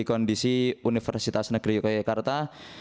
kondisi universitas negeri ukt karena